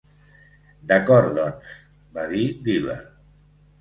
"D'acord, doncs", va dir Diller.